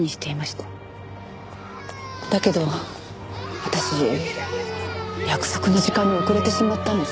だけど私約束の時間に遅れてしまったんです。